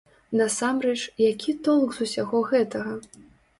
Насамрэч, які толк з усяго гэтага?